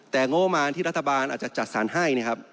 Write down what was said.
แต่โง่มาที่รัฐบาลอาจจะจัดสารให้